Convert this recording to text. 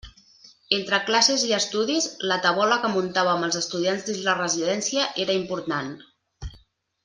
Entre classes i estudis, la tabola que muntàvem els estudiants dins la residència era important.